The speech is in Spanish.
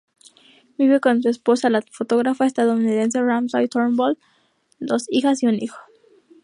Vive con su esposa, la fotógrafa estadounidense Ramsay Turnbull, dos hijas y un hijo.